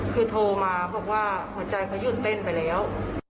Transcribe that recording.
คือโทรมาบอกว่าหัวใจเขาหยุดเต้นไปแล้ว